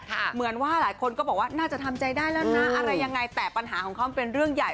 เหมือนว่าหลายคนก็บอกว่าน่าจะทำใจได้แล้วนะอะไรยังไงแต่ปัญหาของเขามันเป็นเรื่องใหญ่